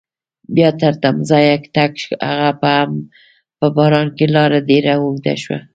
بیا تر تمځایه تګ هغه هم په باران کې لاره ډېره اوږده شوه.